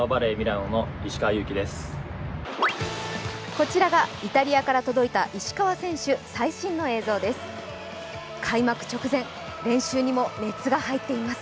こちらがイタリアから届いた石川選手、最新の映像です。